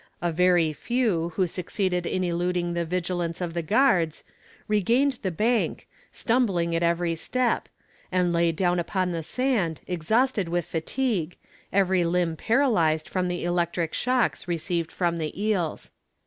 A very few, who succeeded in eluding the vigilance of the guards, regained the bank, stumbling at every step, and lay down upon the sand, exhausted with fatigue, every limb paralyzed from the electric shocks received from the eels.